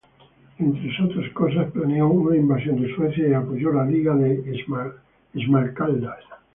Entre otras cosas, planeó una invasión en Suecia y apoyó la Liga de Esmalcalda.